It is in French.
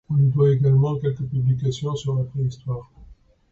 On lui doit également quelques publications sur la préhistoire.